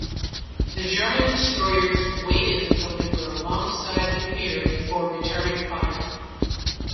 The German destroyers waited until they were alongside the pier before returning fire.